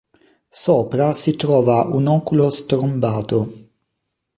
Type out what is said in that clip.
Sopra si trova un oculo strombato.